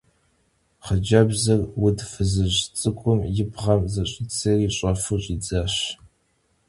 Xhıcebzır vud fızıj ts'ık'um yi bğem zış'idzeri ş'efu ş'idzaş.